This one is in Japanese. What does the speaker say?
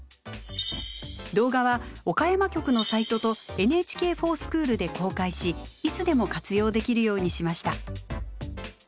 動画は岡山局のサイトと「ＮＨＫｆｏｒＳｃｈｏｏｌ」で公開しいつでも活用できるようにしました。